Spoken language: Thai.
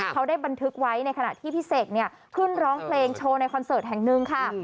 เขาได้บันทึกไว้ในขณะที่พี่เสกเนี่ยขึ้นร้องเพลงโชว์ในคอนเสิร์ตแห่งหนึ่งค่ะ